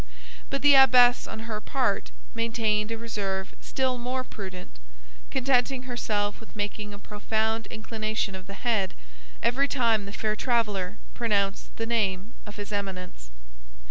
But the abbess, on her part, maintained a reserve still more prudent, contenting herself with making a profound inclination of the head every time the fair traveler pronounced the name of his Eminence.